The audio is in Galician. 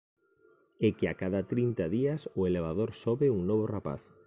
E que a cada trinta días o elevador sobe un novo rapaz.